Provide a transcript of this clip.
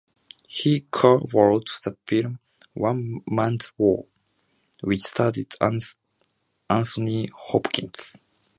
He co-wrote the film "One Man's War" which starred Anthony Hopkins.